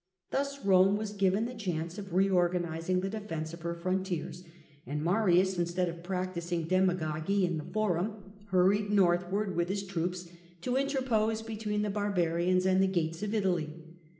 Thus Rome was given the chance of re organising the defence of her frontiers, and Marius, instead of practising demagogy in the Forum, hurried northward with his troops, to interpose between the barbarians and the gates of Italy.